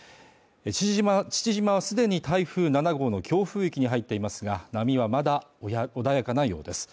父島はすでに台風７号の強風域に入っていますが波はまだ穏やかなようです